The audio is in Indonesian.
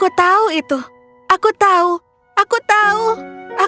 sudahkah kau memberitahunya